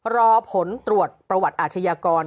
รอผลตรวจประวัติอาชญากร